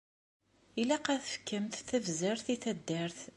Ilaq ad tefkemt tabzert i taddart.